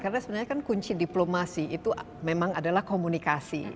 karena sebenarnya kan kunci diplomasi itu memang adalah komunikasi